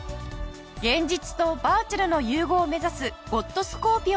現実とバーチャルの融合を目指すゴッドスコーピオンさん。